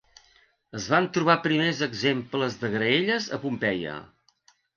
Es van trobar primers exemples de graelles a Pompeia.